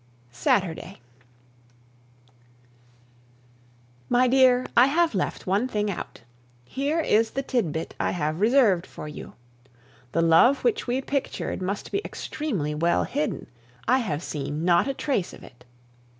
Saturday. My dear, I have left one thing out. Here is the tidbit I have reserved for you. The love which we pictured must be extremely well hidden; I have seen not a trace of it.